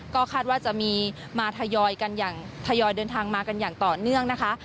ก็คาดว่าจะมีมาทยอยกันอย่างทยอยเดินทางมากันอย่างต่อเนื่องนะคะ